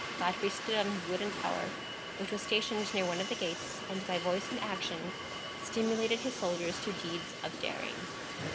Godfrey stood on his wooden tower, which was stationed near one of the gates, and by voice and action stimulated his soldiers to deeds of daring.